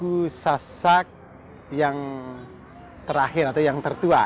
ini sekarang menjadi kampung suku sasak yang terakhir atau yang tertua